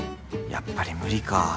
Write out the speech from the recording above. やっぱり無理か。